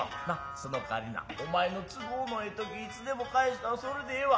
そのかわりなお前の都合のええときいつでも返したらそれでええわ」